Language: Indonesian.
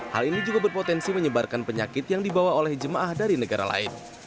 hal ini juga berpotensi menyebarkan penyakit yang dibawa oleh jemaah dari negara lain